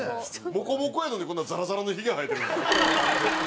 モコモコやのにこんなザラザラのひげ生えてるんですか。